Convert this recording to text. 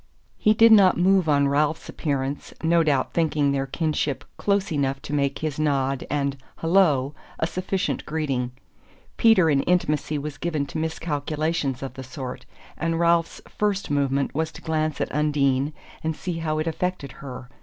He did not move on Ralph's appearance, no doubt thinking their kinship close enough to make his nod and "Hullo!" a sufficient greeting. Peter in intimacy was given to miscalculations of the sort, and Ralph's first movement was to glance at Undine and see how it affected her.